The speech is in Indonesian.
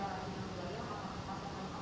apakah itu tadi yang dianggap